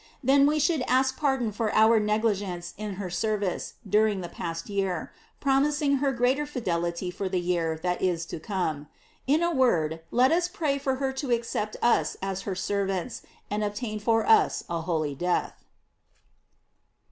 Then we should ask pardon for our negligence in her service during the past year, promising her greater fidelity for the year that is to come. In a word, let us pray her to accept us as her ser vants, and obtain for us a holy death.